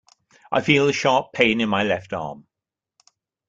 I feel a sharp pain in my left arm.